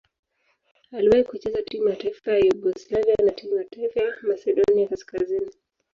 Aliwahi kucheza timu ya taifa ya Yugoslavia na timu ya taifa ya Masedonia Kaskazini.